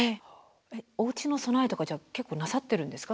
おうちの備えとかじゃあ結構なさってるんですか？